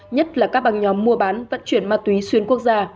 nhất là các bằng nhóm mua bán vận chuyển ma túy xuyên quốc gia